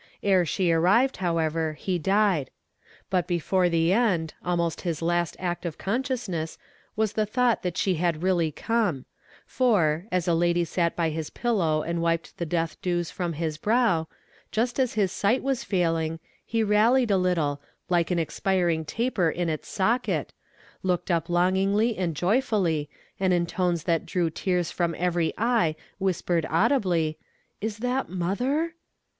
Ere she arrived, however, he died. But before the end, almost his last act of consciousness was the thought that she had really come; for, as a lady sat by his pillow and wiped the death dews from his brow, just as his sight was failing, he rallied a little, like an expiring taper in its socket, looked up longingly and joyfully, and in tones that drew tears from every eye whispered audibly, 'Is that mother?'